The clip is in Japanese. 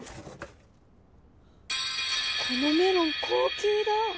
このメロン「高級」だ！